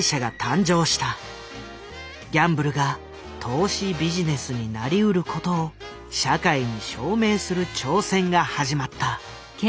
ギャンブルが投資ビジネスになりうることを社会に証明する挑戦が始まった。